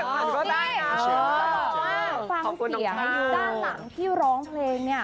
ฟังเสียข้างหลังที่ร้องเพลงเนี้ย